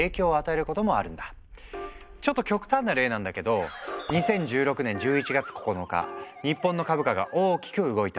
ちょっと極端な例なんだけど２０１６年１１月９日日本の株価が大きく動いた。